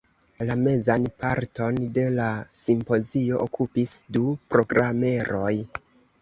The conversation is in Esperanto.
La mezan parton de la simpozio okupis du programeroj.